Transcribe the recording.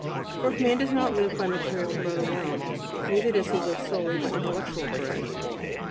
For if man does not live by material bread alone, neither does he live solely by intellectual bread.